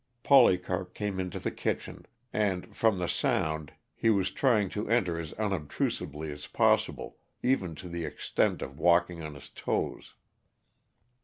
Polycarp came into the kitchen, and, from the sound, he was trying to enter as unobtrusively as possible, even to the extent of walking on his toes.